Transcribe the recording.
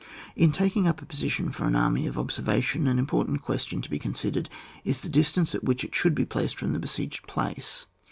In taking up a position for an army of observation, an important question to be considered is the distance at which it should be placed from the besieged place.